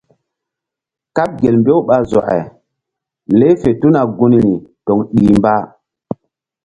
Kaɓ gel mbew ɓa zɔke leh fe tuna gunri toŋ ɗih mba.